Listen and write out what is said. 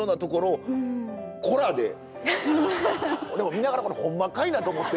見ながらこれほんまかいなと思って。